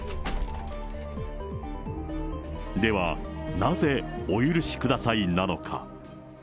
では、なぜお許しくださいなのか。